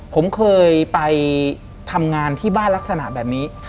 ผมเคยไปทำงานที่บ้านลักษณะแบบนี้